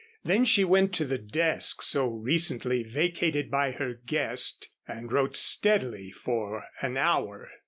Then she went to the desk so recently vacated by her guest and wrote steadily for an hour.